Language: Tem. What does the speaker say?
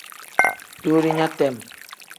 Duulinya tem.